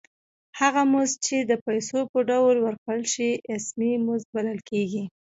هغه مزد چې د پیسو په ډول ورکړل شي اسمي مزد بلل کېږي